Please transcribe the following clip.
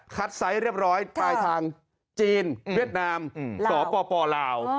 คัดไซส์เรียบร้อยไปทางจีนเวียดนามสรปปลาว